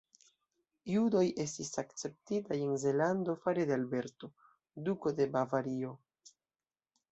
Judoj estis akceptitaj en Zelando fare de Alberto, Duko de Bavario.